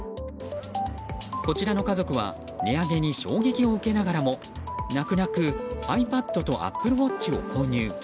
こちらの家族は値上げに衝撃を受けながらも泣く泣くｉＰａｄとＡｐｐｌｅＷａｔｃｈを購入。